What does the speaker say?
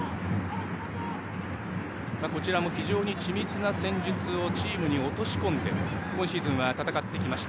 こちらも非常に緻密な戦術をチームに落とし込んで今シーズンは戦ってきました。